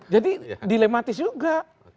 jadi dilematis juga